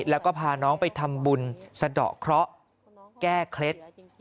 แล้วก็พาน้องไปทำบุญสะดอกเคราะห์แก้เคล็ด